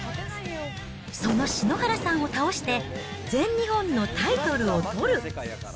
その篠原さんを倒して、全日本のタイトルをとる！